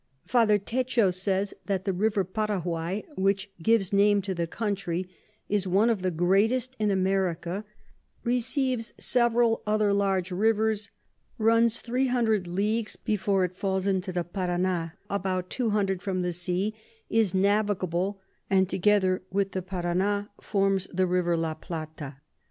Father Techo says the River Paraguay, which gives name to the Country, is one of the greatest in America, receives several other large Rivers, runs 300 Leagues before it falls into the Parana, about 200 from the Sea is navigable, and together with the Parana forms the River La Plata.